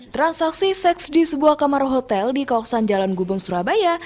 transaksi seks di sebuah kamar hotel di kawasan jalan gubeng surabaya